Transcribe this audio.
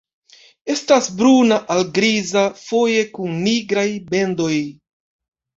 Estas bruna al griza, foje kun nigraj bendoj.